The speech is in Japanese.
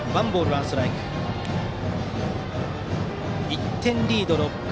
１点リード、６回。